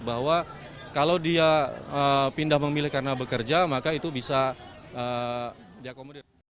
bahwa kalau dia pindah memilih karena bekerja maka itu bisa diakomodir